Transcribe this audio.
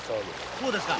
こうですか？